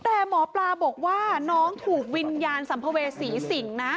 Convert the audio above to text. แต่หมอปลาบอกว่าน้องถูกวิญญาณสัมภเวษีสิงนะ